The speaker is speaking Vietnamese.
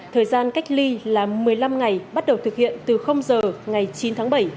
thời gian cách ly là một mươi năm ngày bắt đầu thực hiện từ giờ ngày chín tháng bảy